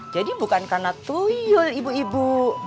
jadi bukan karena tuyul ibu ibu